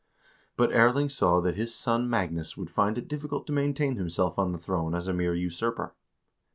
But Erling saw that his son Magnus would find it difficult to maintain himself on the throne as a mere usurper.